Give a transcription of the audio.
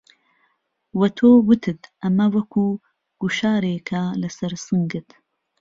وە تۆ وتت ئەمە وەکوو گوشارێکه لەسەر سنگت